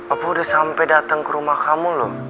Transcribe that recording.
apa udah sampe dateng ke rumah kamu loh